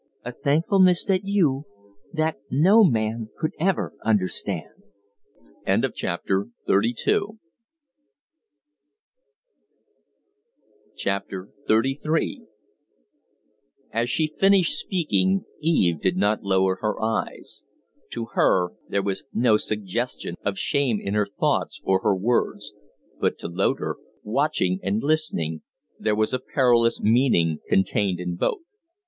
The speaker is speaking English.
"A thankfulness that you that no man could ever understand." XXXII As she finished speaking Eve did not lower her eyes. To her there was no suggestion of shame in her thoughts or her words; but to Loder, watching and listening, there was a perilous meaning contained in both.